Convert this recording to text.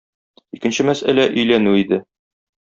Икенче мәсьәлә - өйләнү иде.